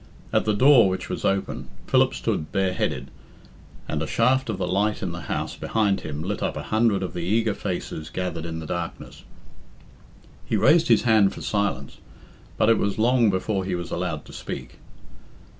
At the door which was open Philip stood bareheaded, and a shaft of the light in the house behind him lit up a hundred of the eager faces gathered in the darkness. He raised his hand for silence, but it was long before he was allowed to speak.